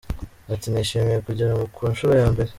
Ati “ Nishimiye kugera mu ku nshuro ya mbere.